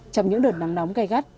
trong những đợt nắng nóng gai gắt